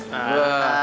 jangan gitu deh